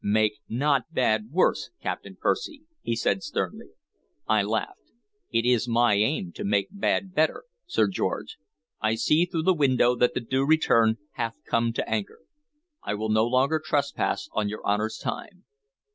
"Make not bad worse, Captain Percy," he said sternly. I laughed. "It is my aim to make bad better, Sir George. I see through the window that the Due Return hath come to anchor; I will no longer trespass on your Honor's time."